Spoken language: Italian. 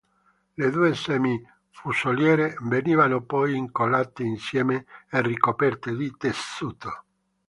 Le due "semi fusoliere" venivano poi incollate insieme e ricoperte di tessuto.